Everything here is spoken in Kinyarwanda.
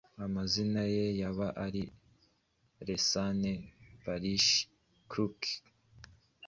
amazina ye yaba ari Lesane Parish Crooks